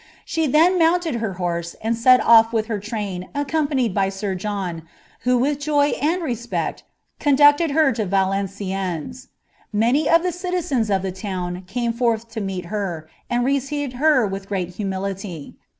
She then mounted her horae and )rl ofTwiih her train accompanied by sir John, who with joy and respoci tondncied her to Valenciennes. Many of ihe citizens of the town came fart.*! to meet her, and received her with great humility.